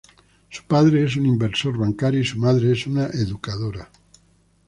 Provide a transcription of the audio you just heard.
Su padre es un inversor bancario y su madre es una educadora.